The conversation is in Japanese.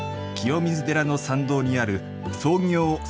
清水寺の参道にある創業